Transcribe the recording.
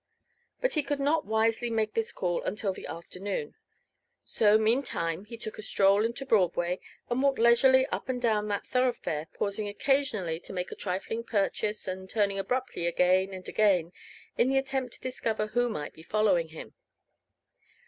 But he could not wisely make this call until the afternoon. So meantime he took a stroll into Broadway and walked leisurely up and down that thoroughfare, pausing occasionally to make a trifling purchase and turning abruptly again and again in the attempt to discover who might be following him.